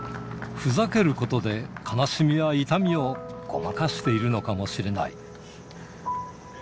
ふざけることで、悲しみや痛みをごまかしているのかもしれない。